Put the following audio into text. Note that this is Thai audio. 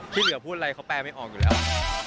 ที่เหลือพูดอะไรเขาแปลไม่ออกอยู่แล้ว